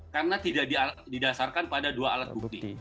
karena tidak didasarkan pada dua alat bukti